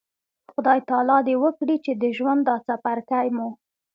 خدای تعالی د وکړي چې د ژوند دا څپرکی مو